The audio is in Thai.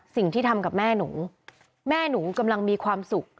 สิ่งที่ทำกับแม่หนูแม่หนูกำลังมีความสุข